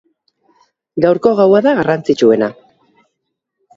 Gaurko gaua da garrantzitsuena.